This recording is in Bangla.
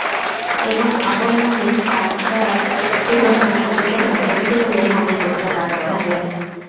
এবং আপন মনিব সারাহর তুলনায় নিজেকে ভাগ্যবতী বলে মনে করতে থাকেন।